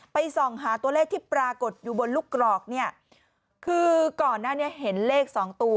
ส่องหาตัวเลขที่ปรากฏอยู่บนลูกกรอกเนี่ยคือก่อนหน้านี้เห็นเลขสองตัว